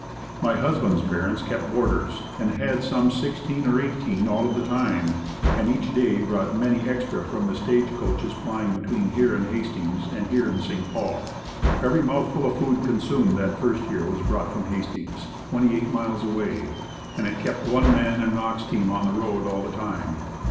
My husband's parents kept boarders and had some sixteen or eighteen all of the time and each day brought many extra from the stage coaches plying between here and Hastings and here and St. Paul. Every mouthful of food consumed that first year was brought from Hastings, twenty eight miles away, and it kept one man and an ox team on the road all the time.